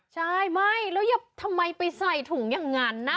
ใช่ไม่แล้วทำไมไปใส่ถุงอย่างนั้นนะ